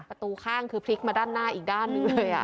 ประตูข้างคือพลิกมาด้านหน้าอีกด้านหนึ่งเลย